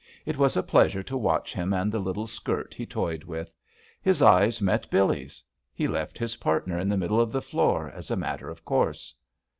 It was a pleasure to watch him and the little "skirt" he toyed with. His eyes met Billee's. He left his partner in the middle of the floor, as a matter of course.